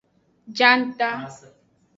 Janta.